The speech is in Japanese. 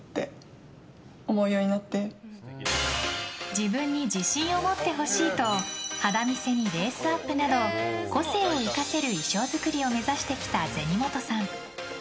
自分に自信を持ってほしいと肌見せにレースアップなど個性を生かせる衣装作りを目指してきた銭本さん。